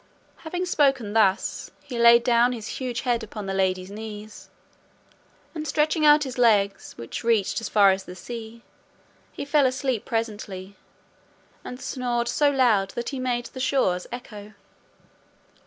Having spoken thus, he laid down his huge head upon the lady's knees, and stretching out his legs, which reached as far as the sea, he fell asleep presently, and snored so loud that he made the shores echo.